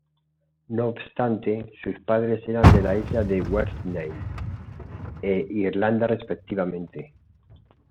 No obstante, sus padres eran de la isla de Guernsey e Irlanda respectivamente.